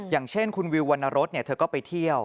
อย่างเช่นคุณวิววรรณรสเธอก็ไปเที่ยว